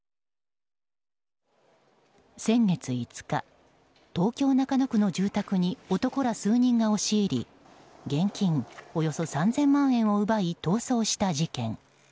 先月５日、東京・中野区の住宅に男ら数人が押し入り現金およそ３０００万円を奪い逃走した事件。